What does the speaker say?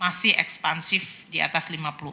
masih ekspansif di atas lima puluh empat